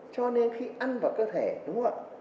cho nên khi ăn vào cơ thể đúng không ạ